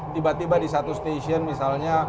tiba tiba di satu stasiun misalnya